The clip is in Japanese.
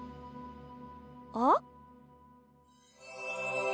あっ？